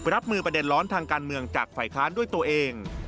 รับมือประเด็นร้อนทางการเมืองจากฝ่ายค้านด้วยตัวเอง